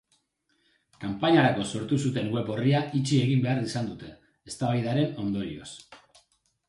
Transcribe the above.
Kanpainarako sortu zuten web orria itxi egin behar izan dute, eztabaidaren ondorioz.